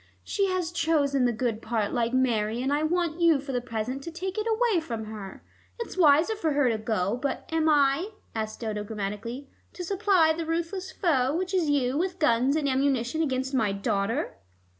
She has chosen the good part like Mary, and I want you for the present to take it away from her. It's wiser for her to go, but am I," asked Dodo grammatically, "to supply the ruthless foe, which is you, with guns and ammunition against my daughter?"